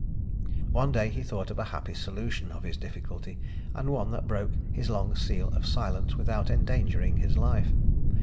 One day he thought of a happy solution of his difficulty and one that broke his long seal of silence without endangering his life.